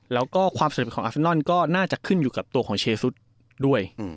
แล้วก็ความสำเร็จของอาเซนนอนก็น่าจะขึ้นอยู่กับตัวของเชซุดด้วย